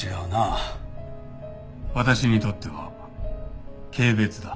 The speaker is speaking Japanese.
私にとっては軽蔑だ。